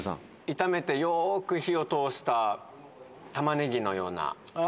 炒めてよーく火を通したタマネギのような。